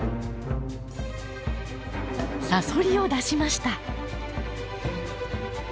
サソリを出しました。